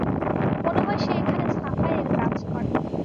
মনে হয় সে এখানে সাফাই এর কাজ করে।